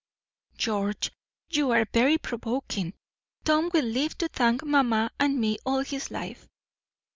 "George, you are very provoking. Tom will live to thank mamma and me all his life."